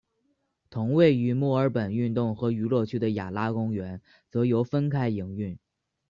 同位于墨尔本运动和娱乐区的雅拉公园则由分开营运。